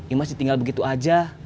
imas ditinggal begitu aja